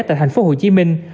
tại thành phố hồ chí minh